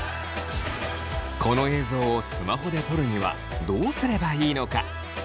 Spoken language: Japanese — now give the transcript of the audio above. この映像をスマホで撮るにはどうすればいいのか？